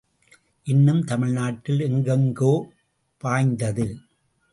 இன்னும் தமிழ்நாட்டில் எங்கெங்கோ பாய்ந்தது.